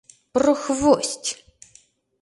Прохвость!